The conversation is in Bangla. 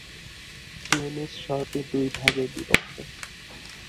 তিউনিস শহরটি দুই ভাগে বিভক্ত।